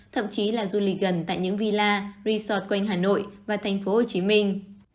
thậm chí là du lịch gần tại những villa resort quanh hà nội và thành phố hồ chí minh